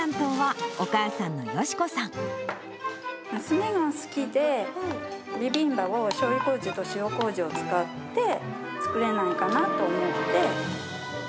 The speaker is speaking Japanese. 娘が好きで、ビビンバをしょうゆこうじと塩こうじを使って、作れないかなと思って。